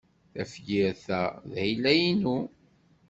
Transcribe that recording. Tafyirt-a d ayla-inu.